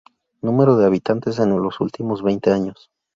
Número de habitantes en los últimos veinte años.